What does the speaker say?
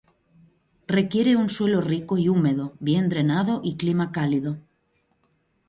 Requiere un suelo rico y húmedo, bien drenado y clima cálido.